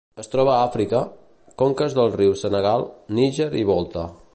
Es troba a Àfrica: conques dels rius Senegal, Níger i Volta.